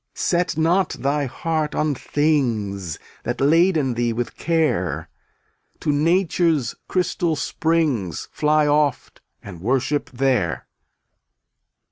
Set not thy heart on things That laden thee with care; To nature's crystal springs Fly oft and worship there.